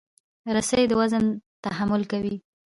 رسۍ د وزن تحمل کوي.